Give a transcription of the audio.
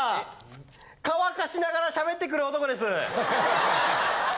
「乾かしながら喋ってくる男」です。